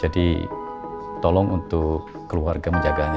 tolong untuk keluarga menjaganya